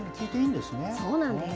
そうなんです。